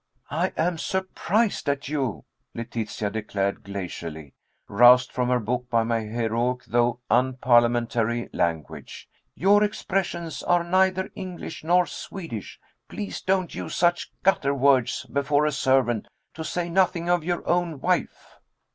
"I am surprised at you," Letitia declared glacially, roused from her book by my heroic though unparliamentary language. "Your expressions are neither English nor Swedish. Please don't use such gutter words before a servant, to say nothing of your own wife."